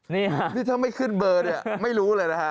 นี่ค่ะนี่ถ้าไม่ขึ้นเบอร์เนี่ยไม่รู้เลยนะฮะ